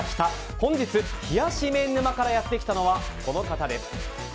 本日、冷やし麺沼からやってきたのはこの方。